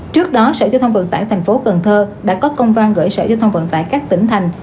trước đó sở giao thông vận tải thành phố cần thơ đã có công văn gửi sở giao thông vận tải các tỉnh thành